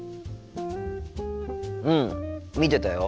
うん見てたよ。